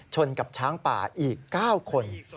ชนกับช้างป่าอีก๙คน